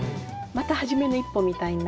また初めの一歩みたいになって。